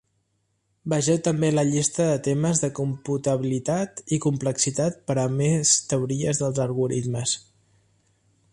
Vegeu també la llista de temes de computabilitat i complexitat per a més teories dels algoritmes.